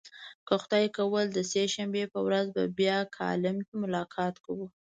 که خدای کول د سه شنبې په ورځ به بیا کالم کې ملاقات کوو.